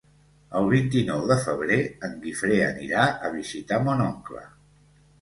El vint-i-nou de febrer en Guifré anirà a visitar mon oncle.